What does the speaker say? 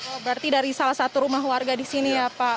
oh berarti dari salah satu rumah warga di sini ya pak